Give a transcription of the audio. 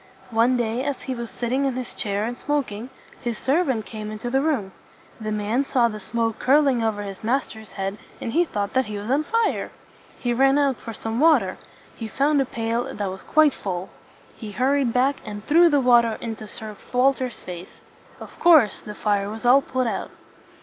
One day as he was sitting in his chair and smoking, his servant came into the room. The man saw the smoke curling over his master's head, and he thought that he was on fire. He ran out for some water. He found a pail that was quite full. He hurried back, and threw the water into Sir Walter's face. Of course the fire was all put out.